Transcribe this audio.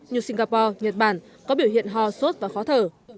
như singapore nhật bản có biểu hiện ho sốt và khó thở